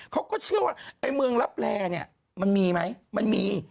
เขาก็เชื่อว่าไอ้เมืองรับแร่เนี่ยมันมีไหมมันมี